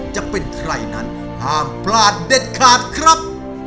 จะเป็นใครนั้นห้ามพลาดเด็ดขาดครับ